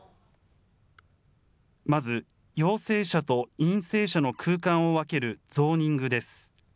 まず、陽性者と陰性者の空間を分けるゾーニングです。